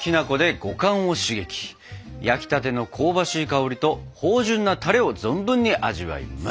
焼きたての香ばしい香りと芳じゅんなたれを存分に味わいます！